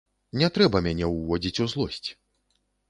Не трэба мяне ўводзіць у злосць.